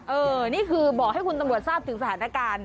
นี่คือบอกให้คุณตำรวจทราบถึงสถานการณ์